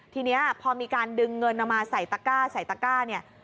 ทีนี้พอมีการดึงเงินออกมาใส่ตะก้าเนี่ย